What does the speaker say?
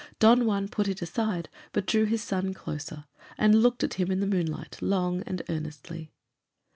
Don Juan put it aside, but drew his son closer, and looked at him in the moonlight long and earnestly.